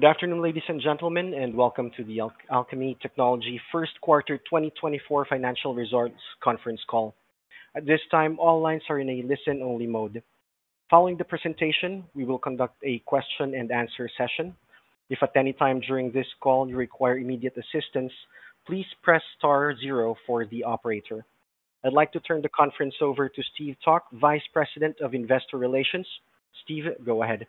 Good afternoon, ladies and gentlemen, and welcome to the Alkami Technology First Quarter 2024 Financial Results Conference Call. At this time, all lines are in a listen-only mode. Following the presentation, we will conduct a question-and-answer session. If at any time during this call you require immediate assistance, please press star zero for the operator. I'd like to turn the conference over to Steve Calk, Vice President of Investor Relations. Steve, go ahead.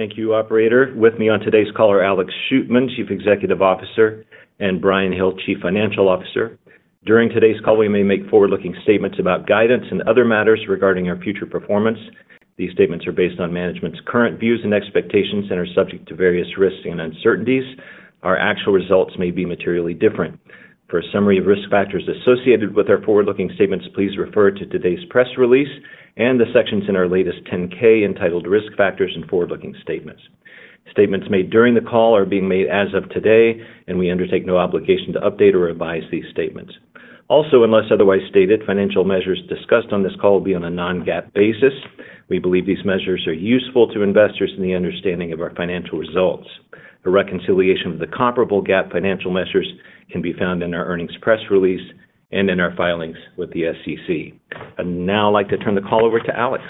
Thank you, Operator. With me on today's call are Alex Shootman, Chief Executive Officer, and Bryan Hill, Chief Financial Officer. During today's call, we may make forward-looking statements about guidance and other matters regarding our future performance. These statements are based on management's current views and expectations and are subject to various risks and uncertainties. Our actual results may be materially different. For a summary of risk factors associated with our forward-looking statements, please refer to today's press release and the sections in our latest 10-K entitled Risk Factors and Forward-Looking Statements. Statements made during the call are being made as of today, and we undertake no obligation to update or revise these statements. Also, unless otherwise stated, financial measures discussed on this call will be on a non-GAAP basis. We believe these measures are useful to investors in the understanding of our financial results. A reconciliation of the comparable GAAP financial measures can be found in our earnings press release and in our filings with the SEC. I'd now like to turn the call over to Alex.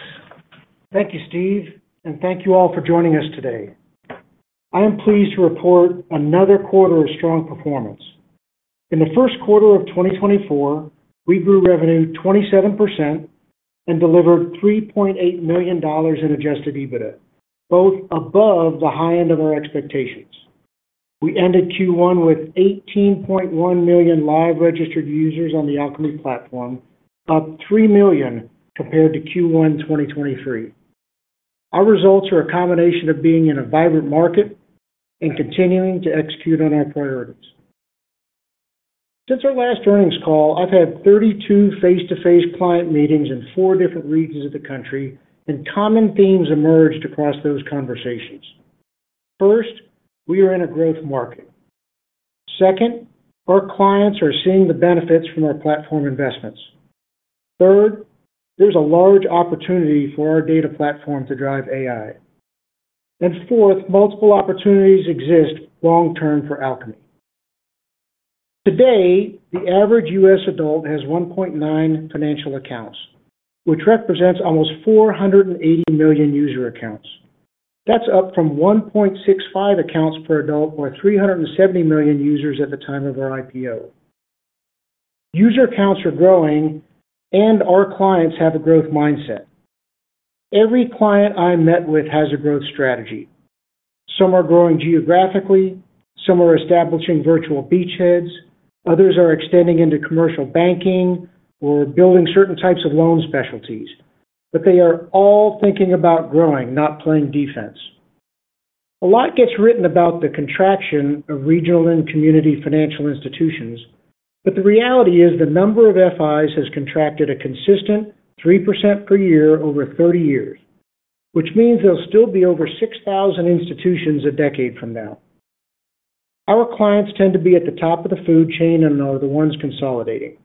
Thank you, Steve, and thank you all for joining us today. I am pleased to report another quarter of strong performance. In the first quarter of 2024, we grew revenue 27% and delivered $3.8 million in Adjusted EBITDA, both above the high end of our expectations. We ended Q1 with 18.1 million live registered users on the Alkami platform, up 3 million compared to Q1 2023. Our results are a combination of being in a vibrant market and continuing to execute on our priorities. Since our last earnings call, I've had 32 face-to-face client meetings in four different regions of the country, and common themes emerged across those conversations. First, we are in a growth market. Second, our clients are seeing the benefits from our platform investments. Third, there's a large opportunity for our data platform to drive AI. And fourth, multiple opportunities exist long-term for Alkami. Today, the average U.S. adult has 1.9 financial accounts, which represents almost 480 million user accounts. That's up from 1.65 accounts per adult, or 370 million users, at the time of our IPO. User accounts are growing, and our clients have a growth mindset. Every client I met with has a growth strategy. Some are growing geographically, some are establishing virtual beachheads, others are extending into commercial banking or building certain types of loan specialties, but they are all thinking about growing, not playing defense. A lot gets written about the contraction of regional and community financial institutions, but the reality is the number of FIs has contracted a consistent 3% per year over 30 years, which means there'll still be over 6,000 institutions a decade from now. Our clients tend to be at the top of the food chain and are the ones consolidating.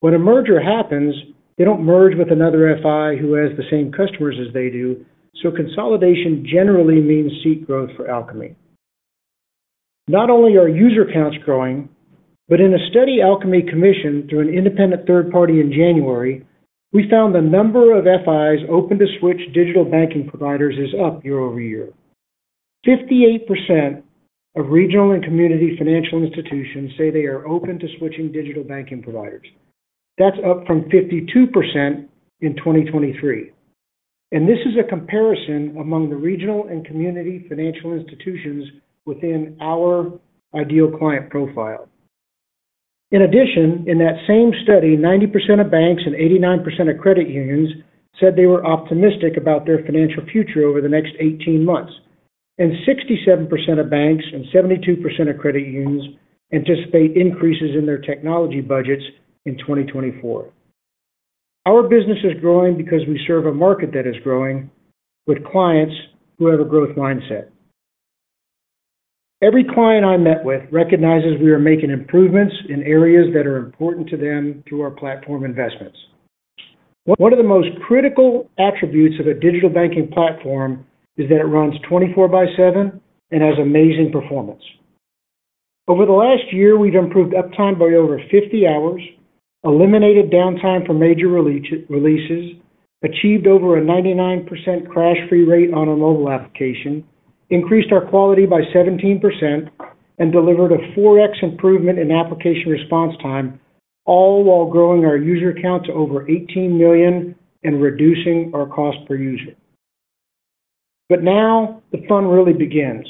When a merger happens, they don't merge with another FI who has the same customers as they do, so consolidation generally means seat growth for Alkami. Not only are user accounts growing, but in a study Alkami commissioned through an independent third party in January, we found the number of FIs open to switch digital banking providers is up year-over-year. 58% of regional and community financial institutions say they are open to switching digital banking providers. That's up from 52% in 2023. This is a comparison among the regional and community financial institutions within our ideal client profile. In addition, in that same study, 90% of banks and 89% of credit unions said they were optimistic about their financial future over the next 18 months, and 67% of banks and 72% of credit unions anticipate increases in their technology budgets in 2024. Our business is growing because we serve a market that is growing with clients who have a growth mindset. Every client I met with recognizes we are making improvements in areas that are important to them through our platform investments. One of the most critical attributes of a digital banking platform is that it runs 24/7 and has amazing performance. Over the last year, we've improved uptime by over 50 hours, eliminated downtime for major releases, achieved over a 99% crash-free rate on our mobile application, increased our quality by 17%, and delivered a 4x improvement in application response time, all while growing our user accounts to over 18 million and reducing our cost per user. But now the fun really begins.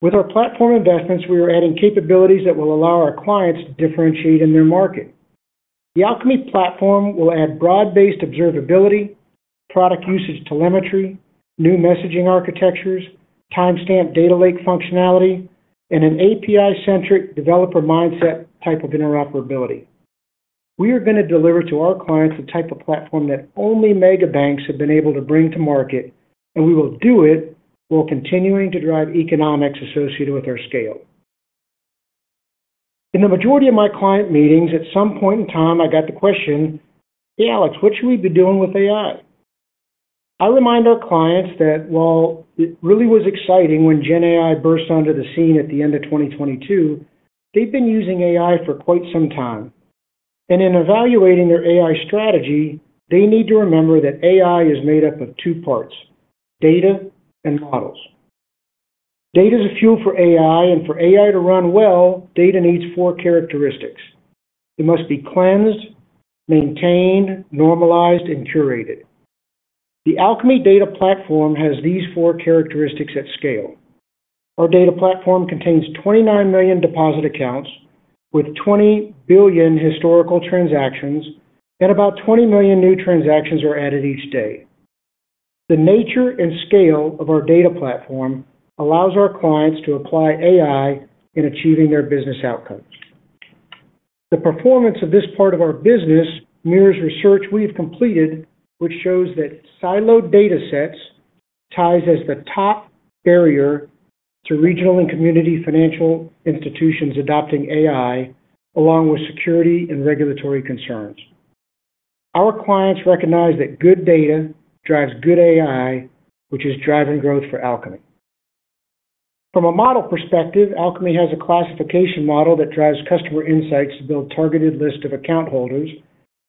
With our platform investments, we are adding capabilities that will allow our clients to differentiate in their market. The Alkami platform will add broad-based observability, product usage telemetry, new messaging architectures, timestamp data lake functionality, and an API-centric developer mindset type of interoperability. We are going to deliver to our clients the type of platform that only mega banks have been able to bring to market, and we will do it while continuing to drive economics associated with our scale. In the majority of my client meetings, at some point in time, I got the question, "Hey, Alex, what should we be doing with AI?" I remind our clients that while it really was exciting when GenAI burst onto the scene at the end of 2022, they've been using AI for quite some time. And in evaluating their AI strategy, they need to remember that AI is made up of two parts: data and models. Data is a fuel for AI, and for AI to run well, data needs four characteristics. It must be cleansed, maintained, normalized, and curated. The Alkami Data Platform has these four characteristics at scale. Our Data Platform contains 29 million deposit accounts with 20 billion historical transactions, and about 20 million new transactions are added each day. The nature and scale of our Data Platform allows our clients to apply AI in achieving their business outcomes. The performance of this part of our business mirrors research we've completed, which shows that siloed data sets tie as the top barrier to regional and community financial institutions adopting AI, along with security and regulatory concerns. Our clients recognize that good data drives good AI, which is driving growth for Alkami. From a model perspective, Alkami has a classification model that drives customer insights to build targeted lists of account holders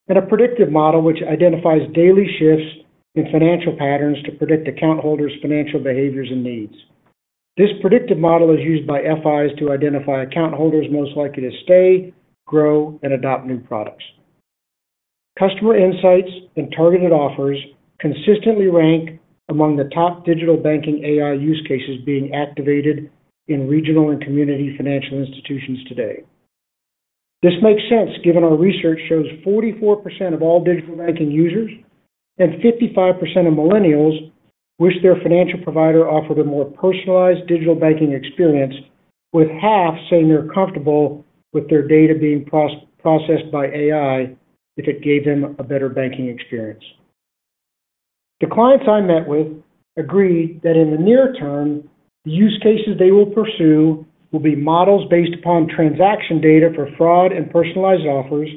and a predictive model which identifies daily shifts in financial patterns to predict account holders' financial behaviors and needs. This predictive model is used by FIs to identify account holders most likely to stay, grow, and adopt new products. Customer insights and targeted offers consistently rank among the top digital banking AI use cases being activated in regional and community financial institutions today. This makes sense given our research shows 44% of all digital banking users and 55% of millennials wish their financial provider offered a more personalized digital banking experience, with half saying they're comfortable with their data being processed by AI if it gave them a better banking experience. The clients I met with agreed that in the near term, the use cases they will pursue will be models based upon transaction data for fraud and personalized offers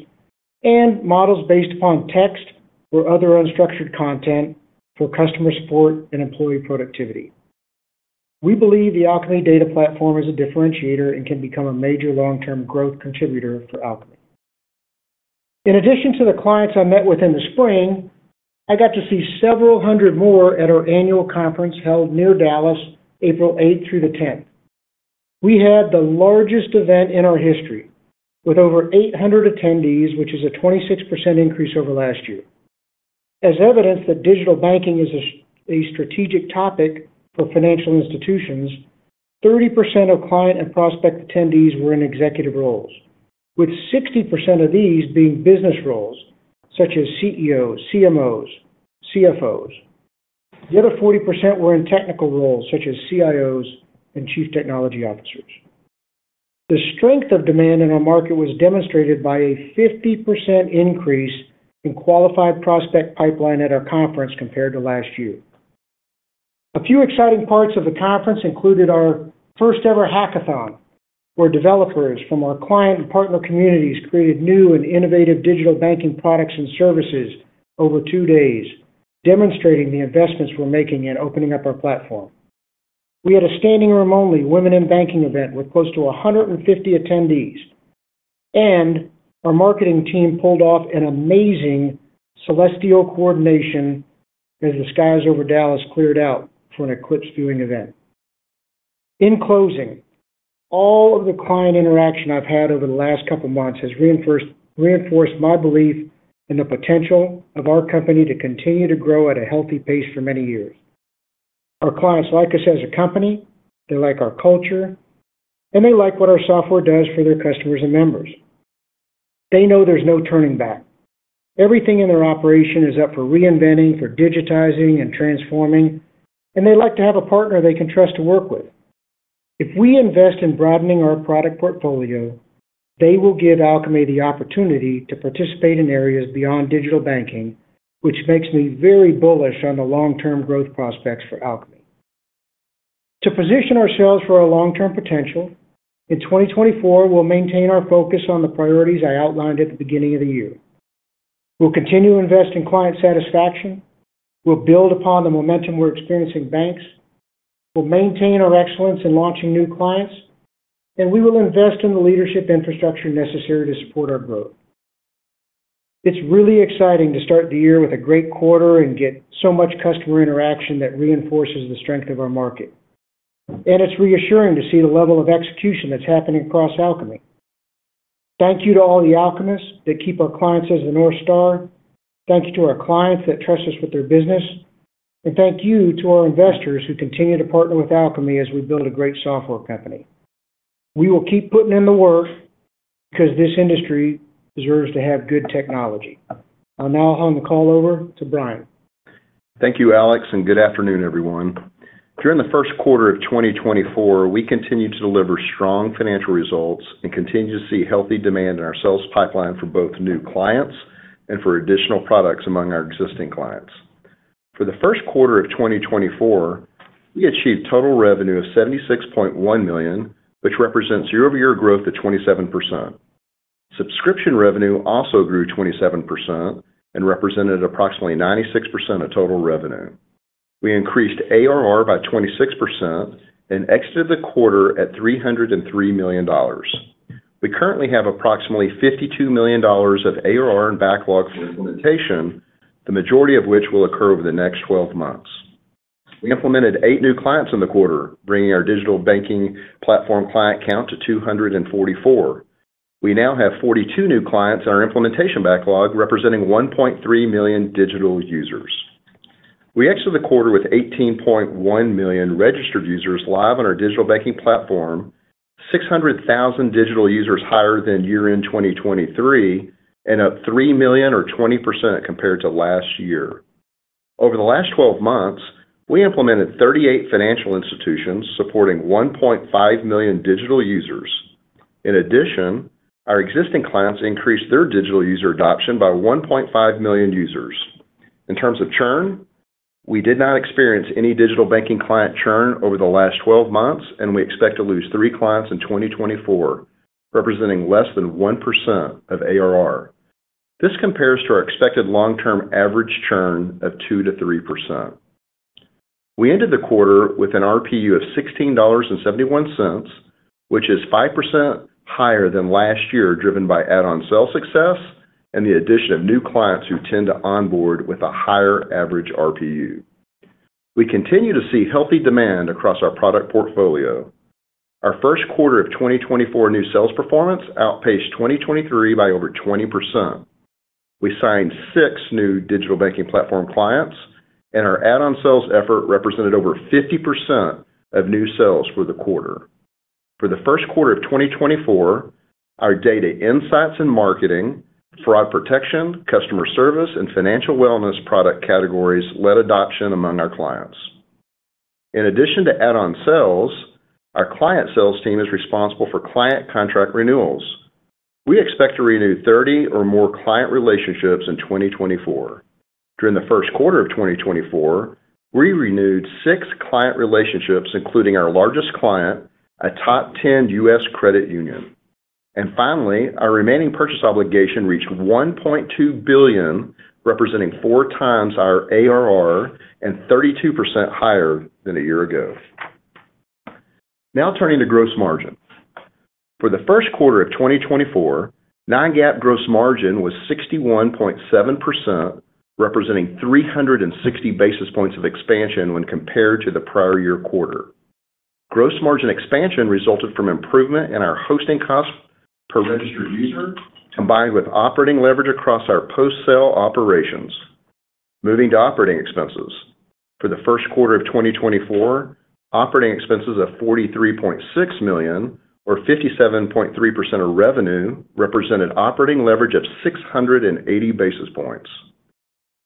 and models based upon text or other unstructured content for customer support and employee productivity. We believe the Alkami Data Platform is a differentiator and can become a major long-term growth contributor for Alkami. In addition to the clients I met with in the spring, I got to see several hundred more at our annual conference held near Dallas, April 8th through the 10th. We had the largest event in our history, with over 800 attendees, which is a 26% increase over last year. As evidence that digital banking is a strategic topic for financial institutions, 30% of client and prospect attendees were in executive roles, with 60% of these being business roles such as CEOs, CMOs, CFOs. The other 40% were in technical roles such as CIOs and chief technology officers. The strength of demand in our market was demonstrated by a 50% increase in qualified prospect pipeline at our conference compared to last year. A few exciting parts of the conference included our first-ever hackathon, where developers from our client and partner communities created new and innovative digital banking products and services over two days, demonstrating the investments we're making in opening up our platform. We had a standing-room-only Women in Banking event with close to 150 attendees, and our marketing team pulled off an amazing celestial coordination as the skies over Dallas cleared out for an eclipse-viewing event. In closing, all of the client interaction I've had over the last couple of months has reinforced my belief in the potential of our company to continue to grow at a healthy pace for many years. Our clients like us as a company, they like our culture, and they like what our software does for their customers and members. They know there's no turning back. Everything in their operation is up for reinventing, for digitizing, and transforming, and they like to have a partner they can trust to work with. If we invest in broadening our product portfolio, they will give Alkami the opportunity to participate in areas beyond digital banking, which makes me very bullish on the long-term growth prospects for Alkami. To position ourselves for our long-term potential, in 2024, we'll maintain our focus on the priorities I outlined at the beginning of the year. We'll continue to invest in client satisfaction, we'll build upon the momentum we're experiencing banks, we'll maintain our excellence in launching new clients, and we will invest in the leadership infrastructure necessary to support our growth. It's really exciting to start the year with a great quarter and get so much customer interaction that reinforces the strength of our market. It's reassuring to see the level of execution that's happening across Alkami. Thank you to all the Alkamists that keep our clients as the North Star. Thank you to our clients that trust us with their business. Thank you to our investors who continue to partner with Alkami as we build a great software company. We will keep putting in the work because this industry deserves to have good technology. I'll now hand the call over to Bryan. Thank you, Alex, and good afternoon, everyone. During the first quarter of 2024, we continue to deliver strong financial results and continue to see healthy demand in our sales pipeline for both new clients and for additional products among our existing clients. For the first quarter of 2024, we achieved total revenue of $76.1 million, which represents year-over-year growth of 27%. Subscription revenue also grew 27% and represented approximately 96% of total revenue. We increased ARR by 26% and exited the quarter at $303 million. We currently have approximately $52 million of ARR in backlog for implementation, the majority of which will occur over the next 12 months. We implemented eight new clients in the quarter, bringing our digital banking platform client count to 244. We now have 42 new clients in our implementation backlog, representing 1.3 million digital users. We exited the quarter with 18.1 million registered users live on our digital banking platform, 600,000 digital users higher than year-end 2023, and up 3 million, or 20%, compared to last year. Over the last 12 months, we implemented 38 financial institutions supporting 1.5 million digital users. In addition, our existing clients increased their digital user adoption by 1.5 million users. In terms of churn, we did not experience any digital banking client churn over the last 12 months, and we expect to lose three clients in 2024, representing less than 1% of ARR. This compares to our expected long-term average churn of 2%-3%. We ended the quarter with an RPU of $16.71, which is 5% higher than last year, driven by add-on sale success and the addition of new clients who tend to onboard with a higher average RPU. We continue to see healthy demand across our product portfolio. Our first quarter of 2024 new sales performance outpaced 2023 by over 20%. We signed 6 new digital banking platform clients, and our add-on sales effort represented over 50% of new sales for the quarter. For the first quarter of 2024, our data insights in marketing, fraud protection, customer service, and financial wellness product categories led adoption among our clients. In addition to add-on sales, our client sales team is responsible for client contract renewals. We expect to renew 30 or more client relationships in 2024. During the first quarter of 2024, we renewed 6 client relationships, including our largest client, a top 10 U.S. credit union. And finally, our remaining purchase obligation reached $1.2 billion, representing 4x our ARR and 32% higher than a year ago. Now turning to gross margin. For the first quarter of 2024, non-GAAP gross margin was 61.7%, representing 360 basis points of expansion when compared to the prior year quarter. Gross margin expansion resulted from improvement in our hosting costs per registered user, combined with operating leverage across our post-sale operations. Moving to operating expenses. For the first quarter of 2024, operating expenses of $43.6 million, or 57.3% of revenue, represented operating leverage of 680 basis points.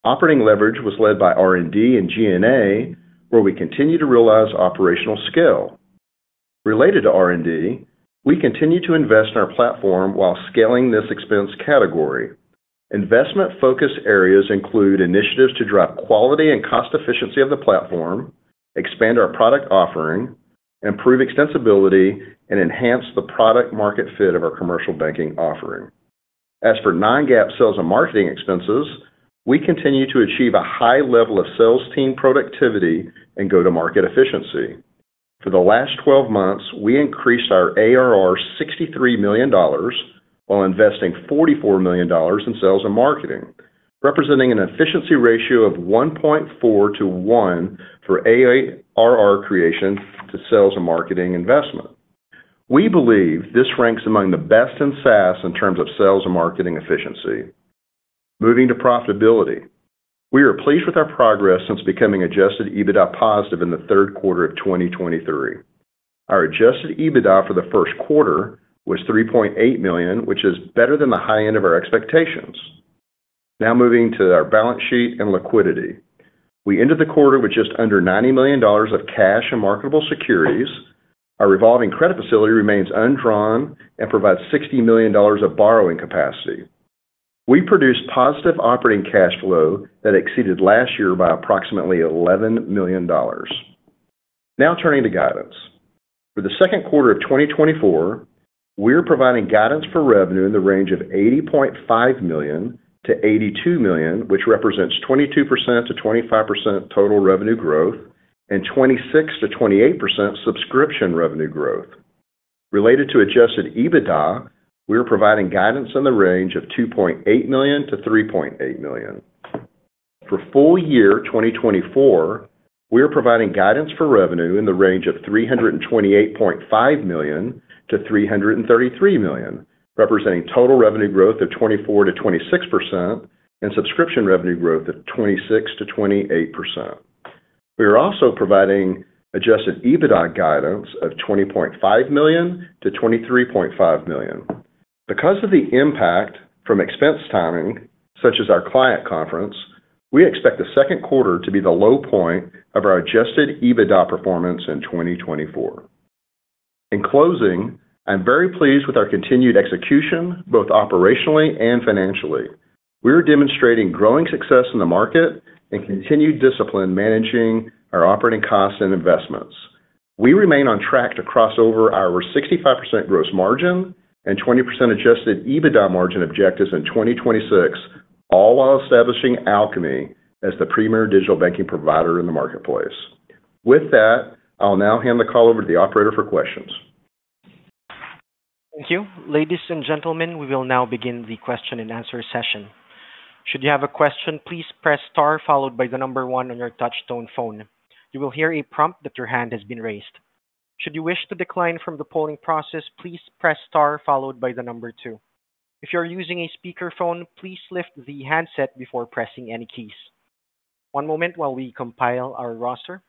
Operating leverage was led by R&D and G&A, where we continue to realize operational scale. Related to R&D, we continue to invest in our platform while scaling this expense category. Investment-focused areas include initiatives to drive quality and cost efficiency of the platform, expand our product offering, improve extensibility, and enhance the product-market fit of our commercial banking offering. As for non-GAAP sales and marketing expenses, we continue to achieve a high level of sales team productivity and go-to-market efficiency. For the last 12 months, we increased our ARR $63 million while investing $44 million in sales and marketing, representing an efficiency ratio of 1.4 to 1 for ARR creation to sales and marketing investment. We believe this ranks among the best in SaaS in terms of sales and marketing efficiency. Moving to profitability. We are pleased with our progress since becoming adjusted EBITDA positive in the third quarter of 2023. Our adjusted EBITDA for the first quarter was $3.8 million, which is better than the high end of our expectations. Now moving to our balance sheet and liquidity. We ended the quarter with just under $90 million of cash and marketable securities. Our revolving credit facility remains undrawn and provides $60 million of borrowing capacity. We produced positive operating cash flow that exceeded last year by approximately $11 million. Now turning to guidance. For the second quarter of 2024, we're providing guidance for revenue in the range of $80.5 million-$82 million, which represents 22%-25% total revenue growth and 26%-28% subscription revenue growth. Related to Adjusted EBITDA, we're providing guidance in the range of $2.8 million-$3.8 million. For full year 2024, we're providing guidance for revenue in the range of $328.5 million-$333 million, representing total revenue growth of 24%-26% and subscription revenue growth of 26%-28%. We are also providing Adjusted EBITDA guidance of $20.5 million-$23.5 million. Because of the impact from expense timing, such as our client conference, we expect the second quarter to be the low point of our Adjusted EBITDA performance in 2024. In closing, I'm very pleased with our continued execution, both operationally and financially. We are demonstrating growing success in the market and continued discipline managing our operating costs and investments. We remain on track to cross over our 65% gross margin and 20% adjusted EBITDA margin objectives in 2026, all while establishing Alkami as the premier digital banking provider in the marketplace. With that, I'll now hand the call over to the operator for questions. Thank you. Ladies and gentlemen, we will now begin the question and answer session. Should you have a question, please press star followed by the number one on your touch-tone phone. You will hear a prompt that your hand has been raised. Should you wish to decline from the polling process, please press star followed by the number two. If you are using a speakerphone, please lift the handset before pressing any keys. One moment while we compile our roster.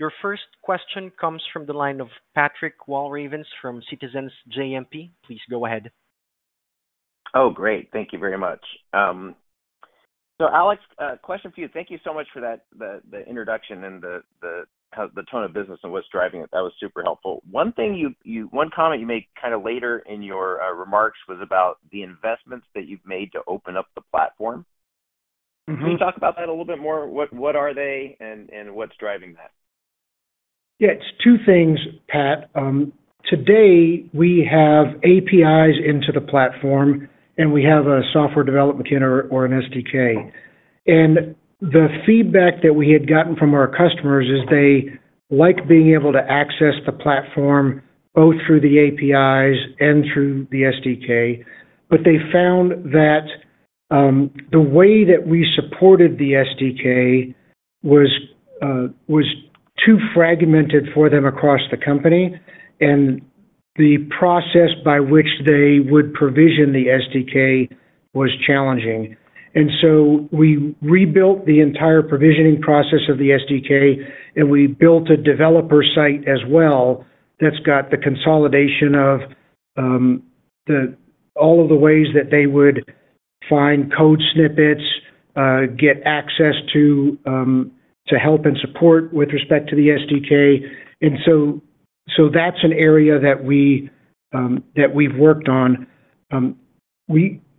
Your first question comes from the line of Patrick Walravens from Citizens JMP. Please go ahead. Oh, great. Thank you very much. So, Alex, question for you. Thank you so much for that introduction and the tone of business and what's driving it. That was super helpful. One comment you made kind of later in your remarks was about the investments that you've made to open up the platform. Can you talk about that a little bit more? What are they and what's driving that? It's two things, Pat. Today, we have APIs into the platform, and we have a software development kit or an SDK. And the feedback that we had gotten from our customers is they like being able to access the platform both through the APIs and through the SDK, but they found that the way that we supported the SDK was too fragmented for them across the company, and the process by which they would provision the SDK was challenging. And so we rebuilt the entire provisioning process of the SDK, and we built a developer site as well that's got the consolidation of all of the ways that they would find code snippets, get access to help and support with respect to the SDK. And so that's an area that we've worked on.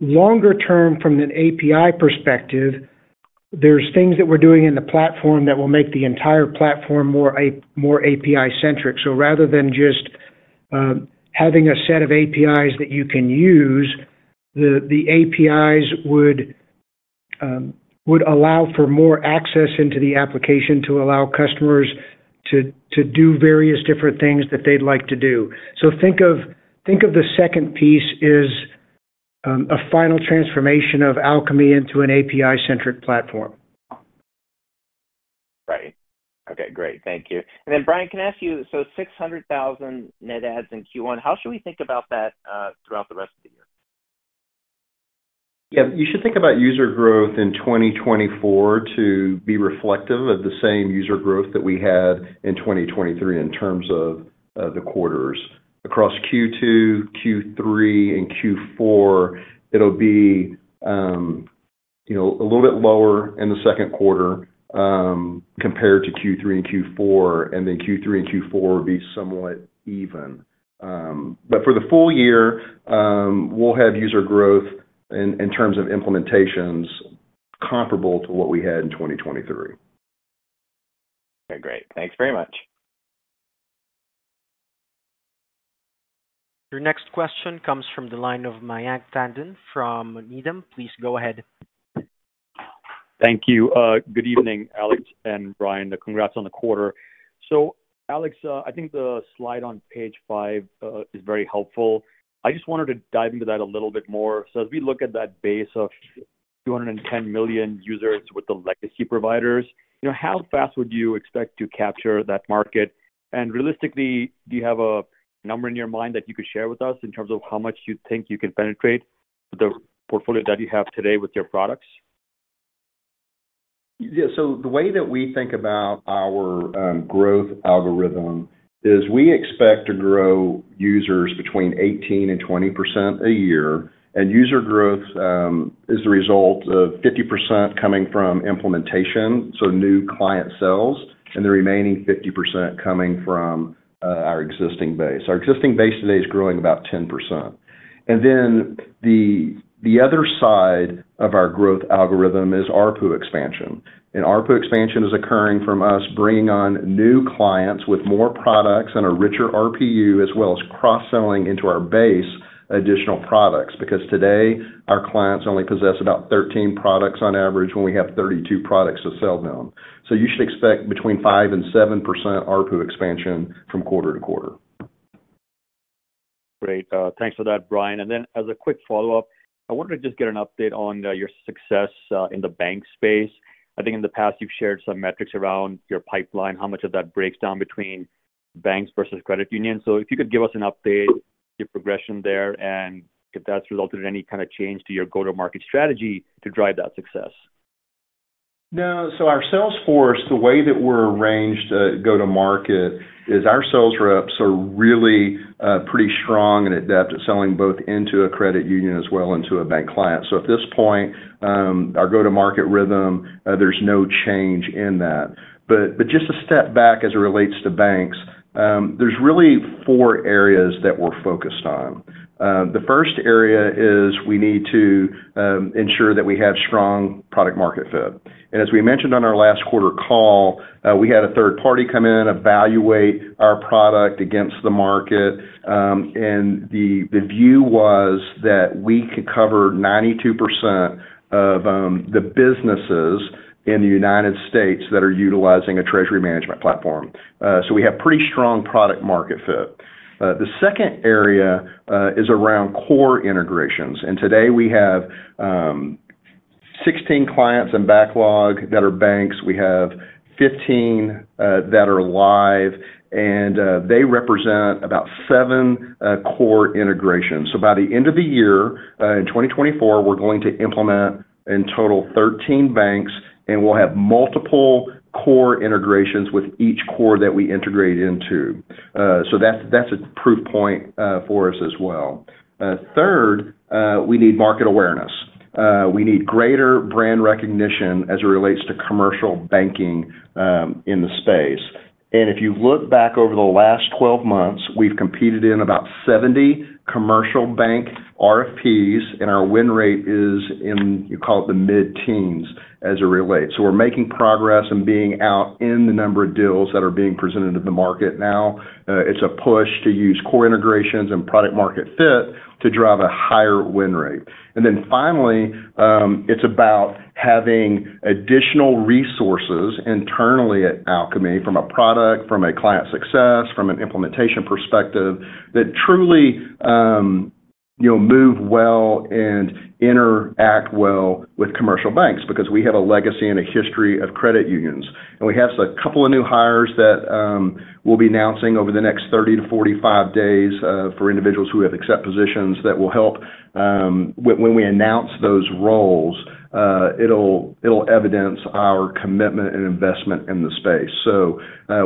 Longer term, from an API perspective, there's things that we're doing in the platform that will make the entire platform more API-centric. Rather than just having a set of APIs that you can use, the APIs would allow for more access into the application to allow customers to do various different things that they'd like to do. Think of the second piece as a final transformation of Alkami into an API-centric platform. Right. Okay, great. Thank you. And then, Bryan, can I ask you so 600,000 net adds in Q1, how should we think about that throughout the rest of the year? You should think about user growth in 2024 to be reflective of the same user growth that we had in 2023 in terms of the quarters. Across Q2, Q3, and Q4, it'll be a little bit lower in the second quarter compared to Q3 and Q4, and then Q3 and Q4 would be somewhat even. But for the full year, we'll have user growth in terms of implementations comparable to what we had in 2023. Okay, great. Thanks very much. Your next question comes from the line of Mayank Tandon from Needham. Please go ahead. Thank you. Good evening, Alex and Bryan. Congrats on the quarter. So, Alex, I think the slide on page 5 is very helpful. I just wanted to dive into that a little bit more. As we look at that base of 210 million users with the legacy providers, how fast would you expect to capture that market? And realistically, do you have a number in your mind that you could share with us in terms of how much you think you can penetrate with the portfolio that you have today with your products? The way that we think about our growth algorithm is we expect to grow users between 18%-20% a year, and user growth is the result of 50% coming from implementation, so new client sales, and the remaining 50% coming from our existing base. Our existing base today is growing about 10%. And then the other side of our growth algorithm is ARPU expansion. And ARPU expansion is occurring from us bringing on new clients with more products and a richer RPU, as well as cross-selling into our base additional products because today, our clients only possess about 13 products on average when we have 32 products to sell them. So you should expect between 5%-7% ARPU expansion from quarter to quarter. Great. Thanks for that, Bryan. And then as a quick follow-up, I wanted to just get an update on your success in the bank space. I think in the past, you've shared some metrics around your pipeline, how much of that breaks down between banks versus credit unions. So if you could give us an update, your progression there, and if that's resulted in any kind of change to your go-to-market strategy to drive that success. No, so our sales force, the way that we're arranged go-to-market is our sales reps are really pretty strong and adept at selling both into a credit union as well as into a bank client. So at this point, our go-to-market rhythm, there's no change in that. But just a step back as it relates to banks, there's really four areas that we're focused on. The first area is we need to ensure that we have strong product-market fit. And as we mentioned on our last quarter call, we had a third party come in, evaluate our product against the market. And the view was that we could cover 92% of the businesses in the United States that are utilizing a treasury management platform. So we have pretty strong product-market fit. The second area is around core integrations. And today, we have 16 clients in backlog that are banks. We have 15 that are live, and they represent about seven core integrations. So by the end of the year in 2024, we're going to implement in total 13 banks, and we'll have multiple core integrations with each core that we integrate into. So that's a proof point for us as well. Third, we need market awareness. We need greater brand recognition as it relates to commercial banking in the space. And if you look back over the last 12 months, we've competed in about 70 commercial bank RFPs, and our win rate is in, you call it the mid-teens as it relates. So we're making progress in being out in the number of deals that are being presented to the market now. It's a push to use core integrations and product-market fit to drive a higher win rate. And then finally, it's about having additional resources internally at Alkami from a product, from a client success, from an implementation perspective that truly move well and interact well with commercial banks because we have a legacy and a history of credit unions. And we have a couple of new hires that we'll be announcing over the next 30-45 days for individuals who have accepted positions that will help when we announce those roles, it'll evidence our commitment and investment in the space. So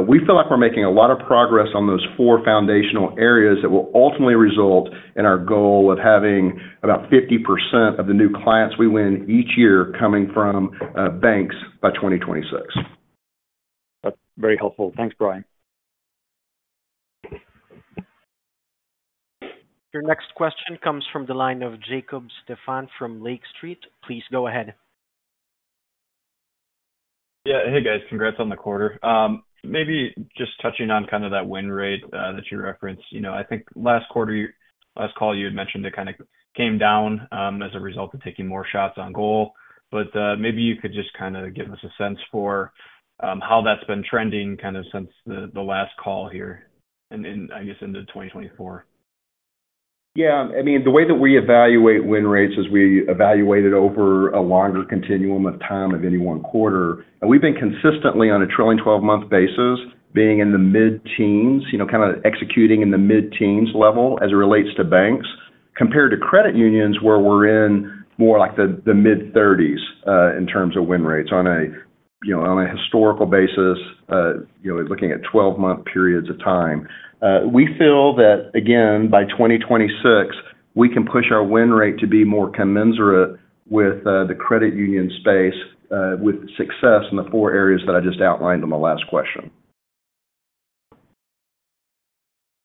we feel like we're making a lot of progress on those four foundational areas that will ultimately result in our goal of having about 50% of the new clients we win each year coming from banks by 2026. That's very helpful. Thanks, Bryan. Your next question comes from the line of Jacob Stephan from Lake Street. Please go ahead. Hey, guys. Congrats on the quarter. Maybe just touching on kind of that win rate that you referenced. I think last quarter, last call, you had mentioned it kind of came down as a result of taking more shots on goal. But maybe you could just kind of give us a sense for how that's been trending kind of since the last call here, and I guess into 2024. The way that we evaluate win rates is we evaluate it over a longer continuum of time of any one quarter. And we've been consistently on a trailing 12-month basis, being in the mid-teens, kind of executing in the mid-teens level as it relates to banks, compared to credit unions where we're in more like the mid-30s in terms of win rates. On a historical basis, looking at 12-month periods of time, we feel that, again, by 2026, we can push our win rate to be more commensurate with the credit union space with success in the four areas that I just outlined in the last question.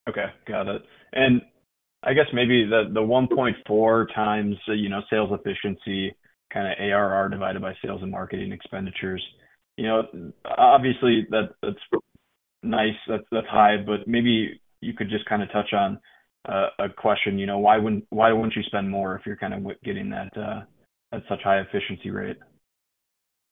Okay, got it. I guess maybe the 1.4x sales efficiency kind of ARR divided by sales and marketing expenditures, obviously, that's nice. That's high. But maybe you could just kind of touch on a question. Why wouldn't you spend more if you're kind of getting at such high efficiency rate?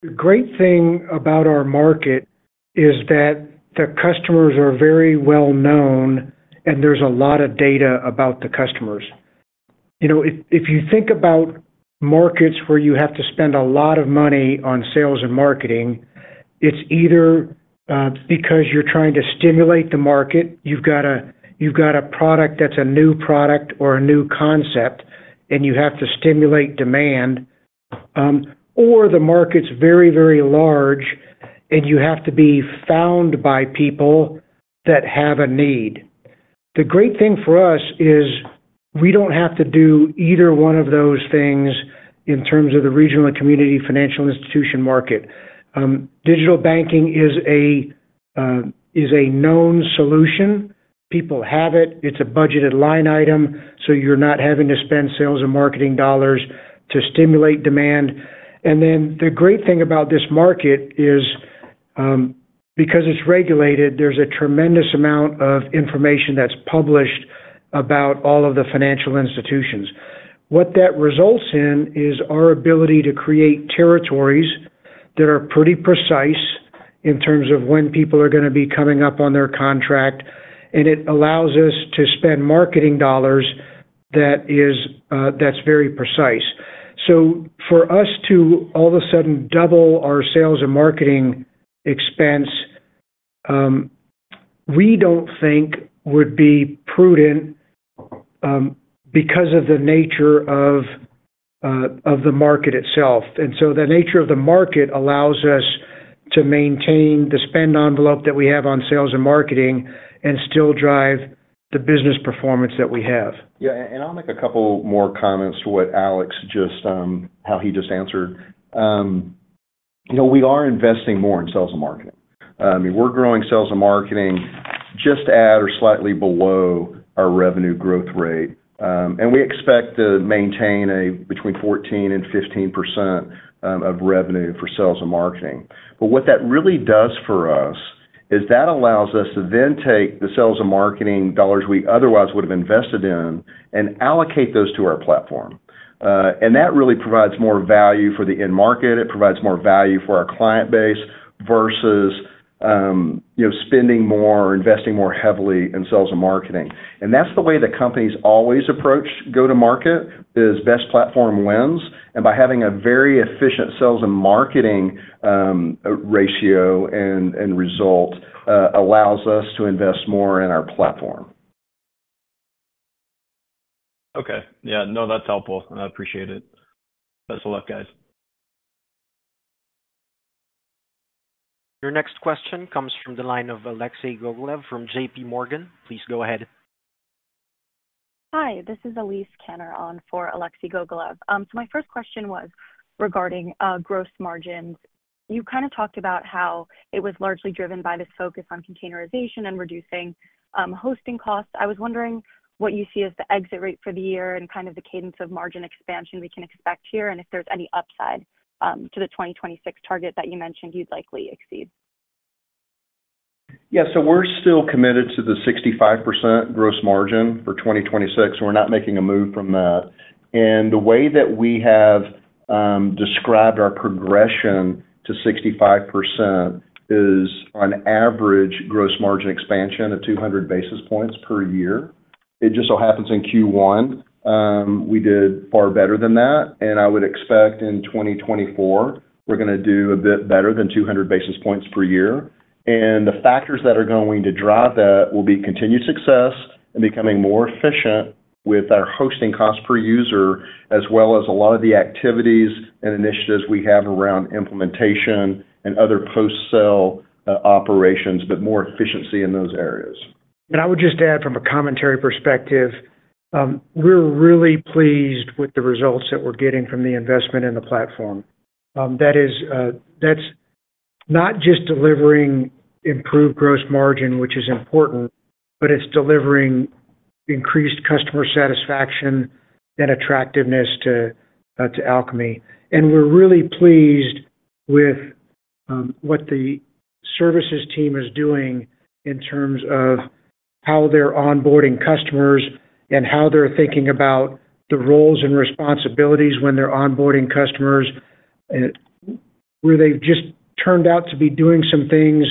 The great thing about our market is that the customers are very well known, and there's a lot of data about the customers. If you think about markets where you have to spend a lot of money on sales and marketing, it's either because you're trying to stimulate the market, you've got a product that's a new product or a new concept, and you have to stimulate demand, or the market's very, very large, and you have to be found by people that have a need. The great thing for us is we don't have to do either one of those things in terms of the regional and community financial institution market. Digital banking is a known solution. People have it. It's a budgeted line item, so you're not having to spend sales and marketing dollars to stimulate demand. And then the great thing about this market is because it's regulated, there's a tremendous amount of information that's published about all of the financial institutions. What that results in is our ability to create territories that are pretty precise in terms of when people are going to be coming up on their contract. And it allows us to spend marketing dollars that's very precise. So for us to all of a sudden double our sales and marketing expense, we don't think would be prudent because of the nature of the market itself. And so the nature of the market allows us to maintain the spend envelope that we have on sales and marketing and still drive the business performance that we have. I'll make a couple more comments to what Alex just how he just answered. We are investing more in sales and marketing. I mean, we're growing sales and marketing just at or slightly below our revenue growth rate. And we expect to maintain between 14%-15% of revenue for sales and marketing. But what that really does for us is that allows us to then take the sales and marketing dollars we otherwise would have invested in and allocate those to our platform. And that really provides more value for the end market. It provides more value for our client base versus spending more or investing more heavily in sales and marketing. And that's the way that companies always approach go-to-market is best platform wins. And by having a very efficient sales and marketing ratio and result allows us to invest more in our platform. Okay. No, that's helpful. I appreciate it. Best of luck, guys. Your next question comes from the line of Alexei Gogolev from JPMorgan. Please go ahead. Hi, this is Elyse Kanner on for Alexei Gogolev. So my first question was regarding gross margins. You kind of talked about how it was largely driven by this focus on containerization and reducing hosting costs. I was wondering what you see as the exit rate for the year and kind of the cadence of margin expansion we can expect here and if there's any upside to the 2026 target that you mentioned you'd likely exceed? We're still committed to the 65% gross margin for 2026. We're not making a move from that. And the way that we have described our progression to 65% is on average gross margin expansion of 200 basis points per year. It just so happens in Q1, we did far better than that. And I would expect in 2024, we're going to do a bit better than 200 basis points per year. And the factors that are going to drive that will be continued success and becoming more efficient with our hosting cost per user, as well as a lot of the activities and initiatives we have around implementation and other post-sale operations, but more efficiency in those areas. I would just add from a commentary perspective, we're really pleased with the results that we're getting from the investment in the platform. That's not just delivering improved gross margin, which is important, but it's delivering increased customer satisfaction and attractiveness to Alkami. We're really pleased with what the services team is doing in terms of how they're onboarding customers and how they're thinking about the roles and responsibilities when they're onboarding customers, where they've just turned out to be doing some things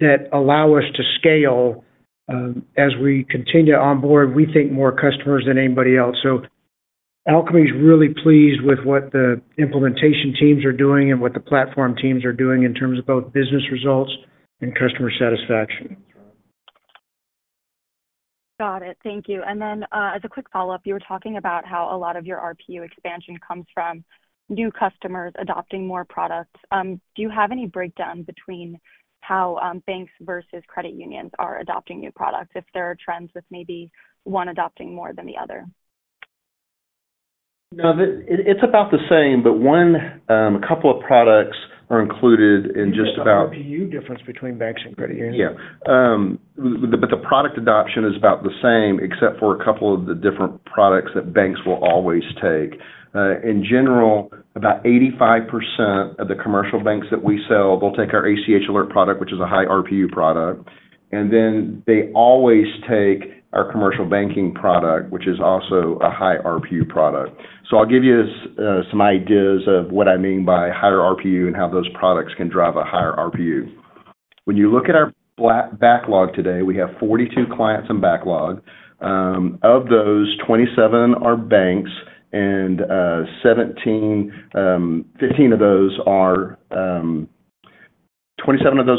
that allow us to scale. As we continue to onboard, we think more customers than anybody else. Alkami is really pleased with what the implementation teams are doing and what the platform teams are doing in terms of both business results and customer satisfaction. Got it. Thank you. And then as a quick follow-up, you were talking about how a lot of your RPU expansion comes from new customers adopting more products. Do you have any breakdown between how banks versus credit unions are adopting new products, if there are trends with maybe one adopting more than the other? No, it's about the same, but a couple of products are included in just about. What's the RPU difference between banks and credit unions? But the product adoption is about the same, except for a couple of the different products that banks will always take. In general, about 85% of the commercial banks that we sell, they'll take our ACH Alert product, which is a high RPU product. And then they always take our commercial banking product, which is also a high RPU product. So I'll give you some ideas of what I mean by higher RPU and how those products can drive a higher RPU. When you look at our backlog today, we have 42 clients in backlog. Of those, 27 are banks, and 17 of those are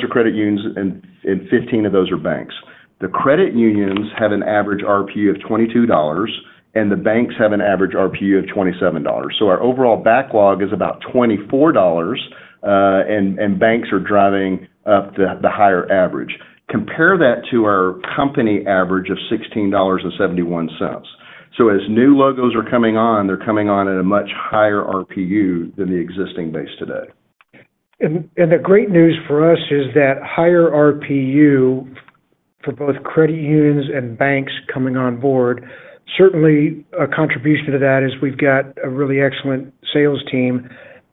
credit unions, and 15 of those are banks. The credit unions have an average RPU of $22, and the banks have an average RPU of $27. Our overall backlog is about $24, and banks are driving up the higher average. Compare that to our company average of $16.71. As new logos are coming on, they're coming on at a much higher RPU than the existing base today. The great news for us is that higher RPU for both credit unions and banks coming on board, certainly a contribution to that is we've got a really excellent sales team.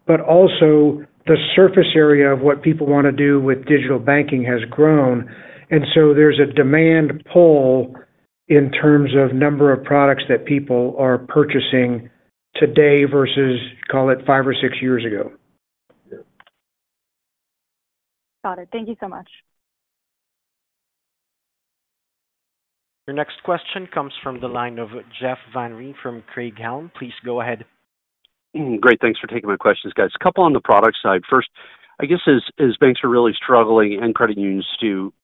Also, the surface area of what people want to do with digital banking has grown. So there's a demand pull in terms of number of products that people are purchasing today versus, call it, five or six years ago. Got it. Thank you so much. Your next question comes from the line of Jeff Van Rhee from Craig-Hallum. Please go ahead. Great. Thanks for taking my questions, guys. A couple on the product side. First, I guess as banks are really struggling and credit unions too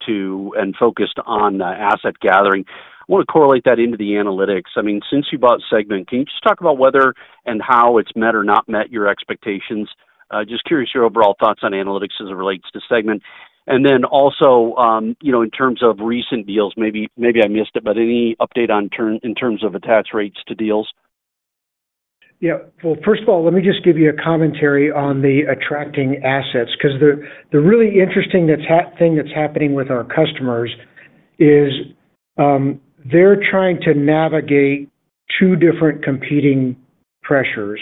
and focused on asset gathering, I want to correlate that into the analytics. I mean, since you bought Segmint, can you just talk about whether and how it's met or not met your expectations? Just curious your overall thoughts on analytics as it relates to Segmint. And then also, in terms of recent deals, maybe I missed it, but any update in terms of attach rates to deals? Well, first of all, let me just give you a commentary on the attracting assets because the really interesting thing that's happening with our customers is they're trying to navigate two different competing pressures.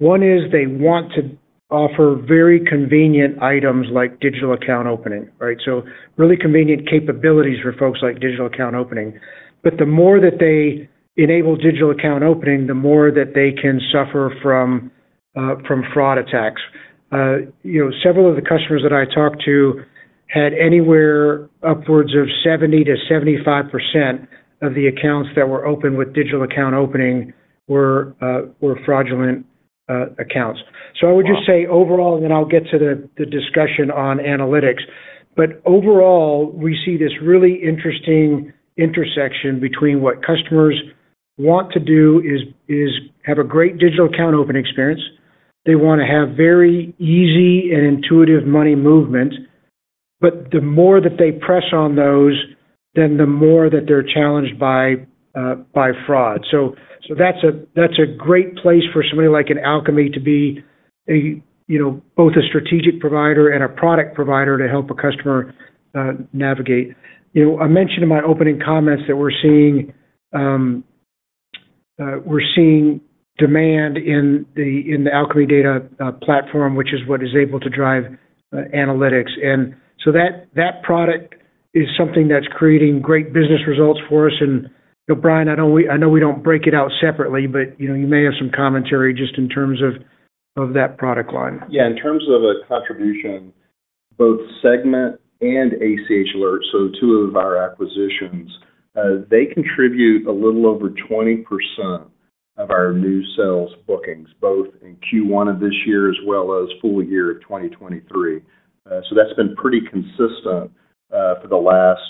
One is they want to offer very convenient items like digital account opening, right? So really convenient capabilities for folks like digital account opening. But the more that they enable digital account opening, the more that they can suffer from fraud attacks. Several of the customers that I talked to had anywhere upwards of 70%-75% of the accounts that were open with digital account opening were fraudulent accounts. So I would just say overall, and then I'll get to the discussion on analytics, but overall, we see this really interesting intersection between what customers want to do is have a great digital account opening experience. They want to have very easy and intuitive money movements. But the more that they press on those, then the more that they're challenged by fraud. So that's a great place for somebody like an Alkami to be both a strategic provider and a product provider to help a customer navigate. I mentioned in my opening comments that we're seeing demand in the Alkami Data Platform, which is what is able to drive analytics. And so that product is something that's creating great business results for us. And Bryan, I know we don't break it out separately, but you may have some commentary just in terms of that product line. In terms of a contribution, both Segmint and ACH Alert, so two of our acquisitions, they contribute a little over 20% of our new sales bookings, both in Q1 of this year as well as full year of 2023. So that's been pretty consistent for the last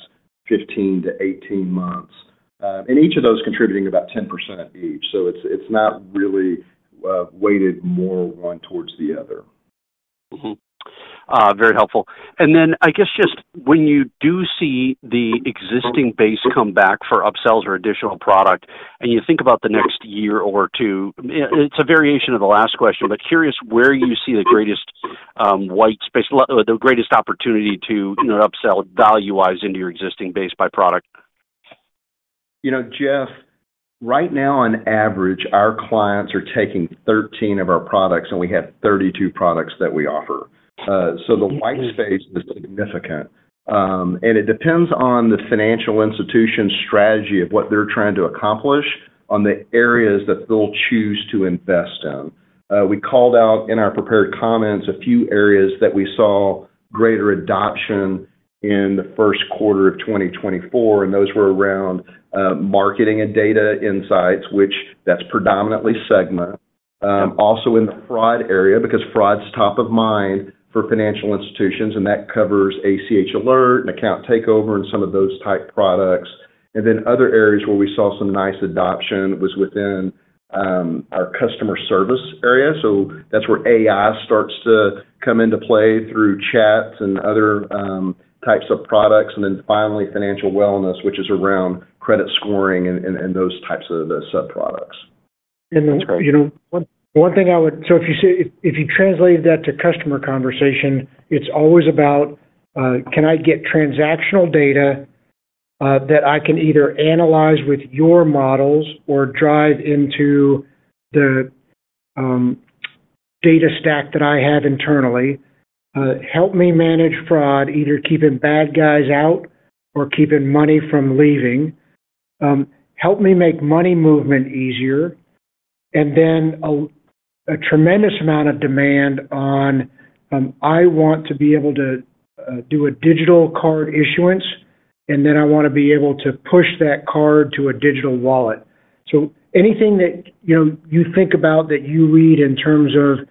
15-18 months, and each of those contributing about 10% each. So it's not really weighted more one towards the other. Very helpful. And then I guess just when you do see the existing base come back for upsells or additional product, and you think about the next year or two, it's a variation of the last question, but curious where you see the greatest white space, the greatest opportunity to upsell value-wise into your existing base by product? Jeff, right now, on average, our clients are taking 13 of our products, and we have 32 products that we offer. So the white space is significant. And it depends on the financial institution's strategy of what they're trying to accomplish on the areas that they'll choose to invest in. We called out in our prepared comments a few areas that we saw greater adoption in the first quarter of 2024, and those were around marketing and data insights, which that's predominantly Segmint. Also in the fraud area because fraud's top of mind for financial institutions, and that covers ACH Alert and account takeover and some of those type products. And then other areas where we saw some nice adoption was within our customer service area. So that's where AI starts to come into play through chats and other types of products. And then finally, financial wellness, which is around credit scoring and those types of subproducts. And then one thing I would say if you translated that to customer conversation, it's always about, "Can I get transactional data that I can either analyze with your models or drive into the data stack that I have internally? Help me manage fraud, either keeping bad guys out or keeping money from leaving. Help me make money movement easier." And then a tremendous amount of demand on, "I want to be able to do a digital card issuance, and then I want to be able to push that card to a digital wallet." So anything that you think about that you read in terms of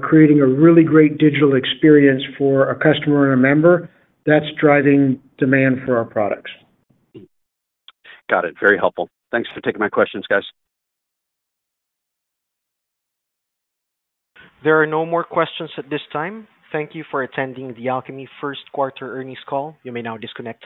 creating a really great digital experience for a customer and a member, that's driving demand for our products. Got it. Very helpful. Thanks for taking my questions, guys. There are no more questions at this time. Thank you for attending the Alkami first quarter earnings call. You may now disconnect.